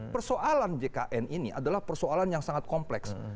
persoalan jkn ini adalah persoalan yang sangat kompleks